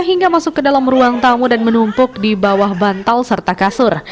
hingga masuk ke dalam ruang tamu dan menumpuk di bawah bantal serta kasur